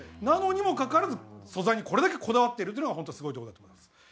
なのにもかかわらず素材にこれだけこだわっているというのがホントすごいところだと思います。